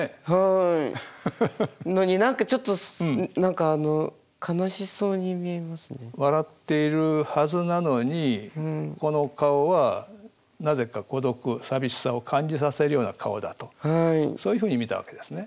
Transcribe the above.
のに何かちょっと何かあの笑っているはずなのにこの顔はなぜか孤独寂しさを感じさせるような顔だとそういうふうに見たわけですね。